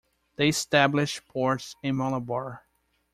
They established ports in Malabar.